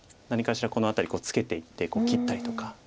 何かしらこの辺りツケていって切ったりとか。